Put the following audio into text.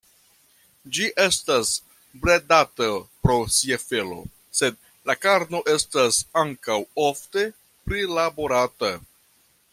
Ĝi estas bredata pro sia felo, sed la karno estas ankaŭ ofte prilaborata.